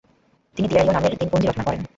তিনি দিয়ারিও নামের দিনপঞ্জি রচনা করেন।